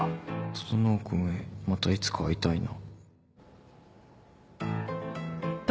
「整君へまたいつか会いたいな」